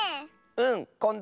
うん！